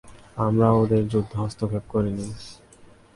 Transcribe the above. আমরা ওদের যুদ্ধে হস্তক্ষেপ করি না।